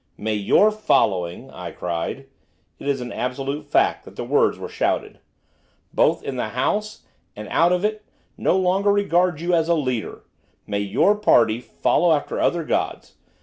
'May your following,' I cried, it is an absolute fact that the words were shouted! 'both in the House and out of it, no longer regard you as a leader! May your party follow after other gods!